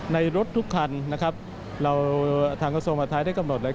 ในรถทุกคันทางกระทรวงหวัดไทยได้กำหนด